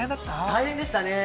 大変でしたね。